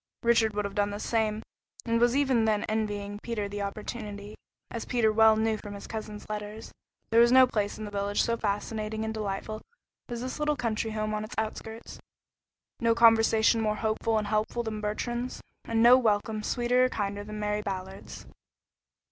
Richard would have done the same and was even then envying Peter the opportunity, as Peter well knew from his cousin's letters. There was no place in the village so fascinating and delightful as this little country home on its outskirts, no conversation more hopeful and helpful than Bertrand's, and no welcome sweeter or kinder than Mary Ballard's.